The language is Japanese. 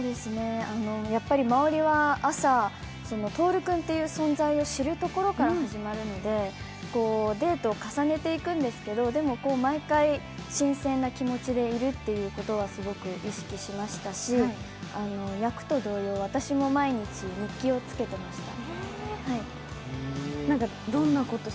周りは朝、透君っていう存在を知るところから始まるので、デートを重ねていくんですけどでも、毎回新鮮な気持ちでいるということはすごく意識しましたし、役と同様、私も毎日、日記をつけてました。